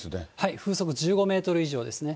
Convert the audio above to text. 風速１５メートル以上ですね。